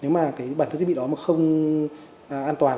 nếu mà bản thân thiết bị đó không an toàn